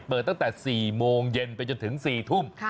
ตั้งแต่๔โมงเย็นไปจนถึง๔ทุ่ม